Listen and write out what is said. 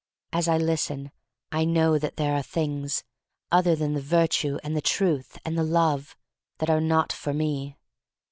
As I listen I know that there are things, other than the Virtue and the Truth and the Love, that are not for me.